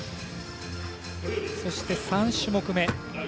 そして、３種目め。